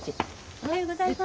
おはようございます。